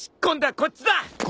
こっちだ。